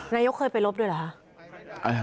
นายกเคยไปลบด้วยเหรอคะ